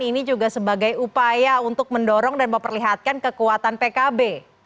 ini juga sebagai upaya untuk mendorong dan memperlihatkan kekuatan pkb